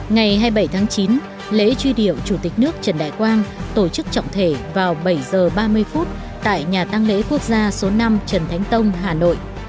ngày hai mươi bảy tháng chín lễ truy điệu chủ tịch nước trần đại quang tổ chức trọng thể vào bảy h ba mươi phút tại nhà tăng lễ quốc gia số năm trần thánh tông hà nội